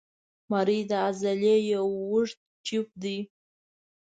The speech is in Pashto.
مرۍ د عضلې یو اوږد تیوب دی.